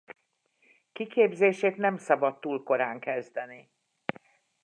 Kiképzését nem szabad túl korán kezdeni.